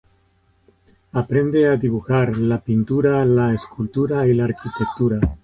Aprende a dibujar, la pintura, la escultura y la arquitectura.